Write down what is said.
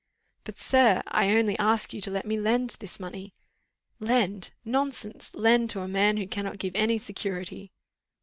"But, sir, I only ask you to let me lend this money." "Lend nonsense! lend to a man who cannot give any security."